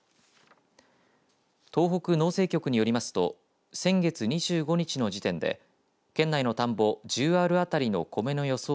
東北農政局によりますと先月２５日の時点で県内の田んぼ１０アール当たりのコメの予想